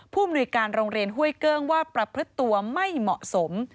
มนุยการโรงเรียนห้วยเกิ้งว่าประพฤติตัวไม่เหมาะสม